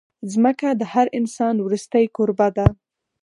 ځمکه د هر انسان وروستۍ کوربه ده.